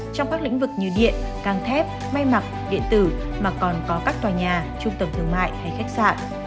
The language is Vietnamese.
trong các lĩnh vực như điện càng thép may mặc điện tử mà còn có các tòa nhà trung tâm thương mại hay khách sạn